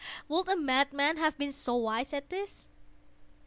—would a madman have been so wise as this?